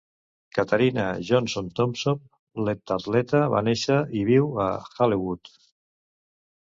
Katarina Johnson-Thompson, l'heptatleta, va nàixer i viu a Halewood.